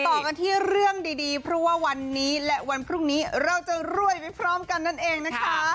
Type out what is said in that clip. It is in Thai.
ต่อกันที่เรื่องดีเพราะว่าวันนี้และวันพรุ่งนี้เราจะรวยไปพร้อมกันนั่นเองนะคะ